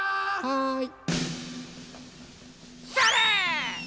はい。